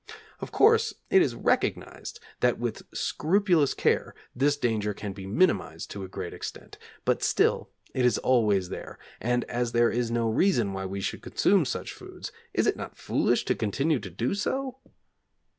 Of course, it is recognized that with scrupulous care this danger can be minimized to a great extent, but still it is always there, and as there is no reason why we should consume such foods, it is not foolish to continue to do so?